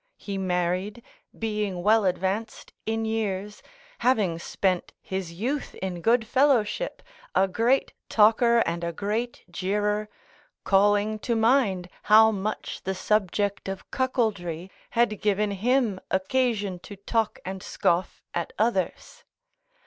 He married, being well advanced in years, having spent his youth in good fellowship, a great talker and a great jeerer, calling to mind how much the subject of cuckoldry had given him occasion to talk and scoff at others.